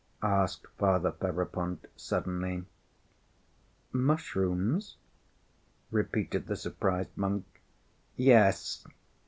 asked Father Ferapont, suddenly. "Mushrooms?" repeated the surprised monk. "Yes.